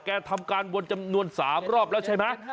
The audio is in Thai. ทำการวนจำนวน๓รอบแล้วใช่ไหม